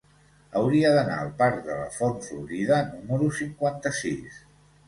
Hauria d'anar al parc de la Font Florida número cinquanta-sis.